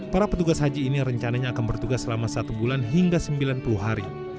para petugas haji ini rencananya akan bertugas selama satu bulan hingga sembilan puluh hari